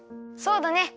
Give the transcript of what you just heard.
そうだね。